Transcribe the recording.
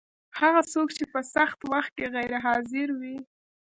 هغه څوک چې په سخت وخت کي غیر حاضر وي